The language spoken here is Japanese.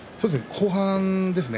後半ですね